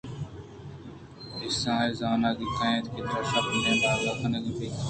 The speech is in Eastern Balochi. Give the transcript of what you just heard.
آ سے ئیں زاناں کَے اَنت کہ ترا شپ ءِ نیم ءَ آگاہ کنگ ءَ اَنت؟